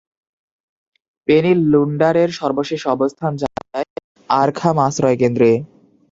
Penney লুন্ডারের সর্বশেষ অবস্থান জানা যায় আরখাম আশ্রয় কেন্দ্রে।